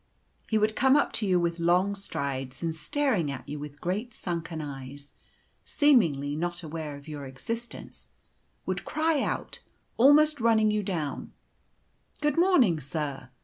He would come up to you with long strides, and staring at you with great sunken eyes, seemingly not aware of your existence, would cry out, almost running you down, "Good morning, sir!"